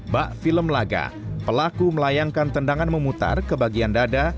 bak film laga pelaku melayangkan tendangan memutar ke bagian dada